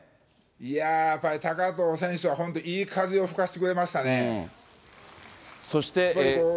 いやー、高藤選手は本当、いい風を吹かせてくれましたね。